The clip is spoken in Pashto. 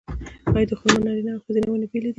آیا د خرما نارینه او ښځینه ونې بیلې دي؟